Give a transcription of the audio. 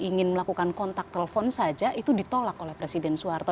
ingin melakukan kontak telepon saja itu ditolak oleh presiden soeharto